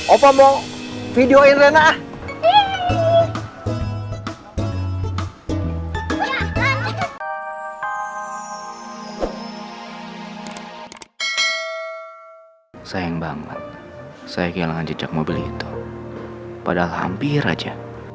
opa mau videoin rena sayang banget saya kehilangan jejak mobil itu padahal hampir aja